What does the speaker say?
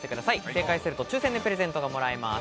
正解すると抽選でプレゼントがもらえます。